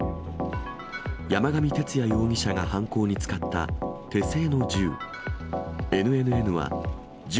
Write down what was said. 山上徹也容疑者が犯行に使った手製の銃。